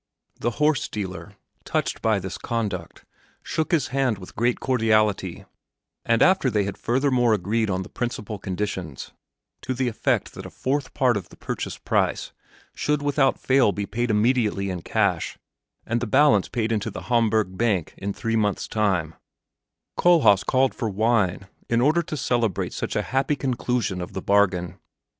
The horse dealer, touched by this conduct, shook his hand with great cordiality, and after they had furthermore agreed on the principal conditions, to the effect that a fourth part of the purchase price should without fail be paid immediately in cash, and the balance paid into the Hamburg bank in three months' time, Kohlhaas called for wine in order to celebrate such a happy conclusion of the bargain.